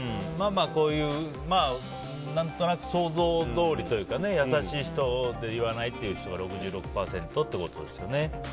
こういう何となく想像どおりというか優しい人、言わない人が６６％ということですけどね。